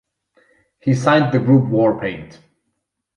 He signed the group Warpaint.